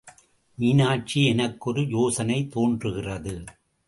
மீனாட்சி எனக்கு ஒரு யோசனை தோன்றுகிறது.